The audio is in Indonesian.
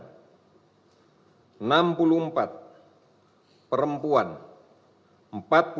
enam puluh satu perempuan lima puluh delapan tahun nampak sakit ringan sedang